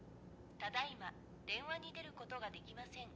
☎ただいま電話に出ることができません